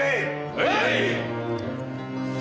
はい！